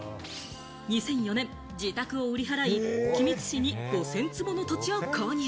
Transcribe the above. ２００４年、自宅を売り払い、君津市に５０００坪の土地を購入。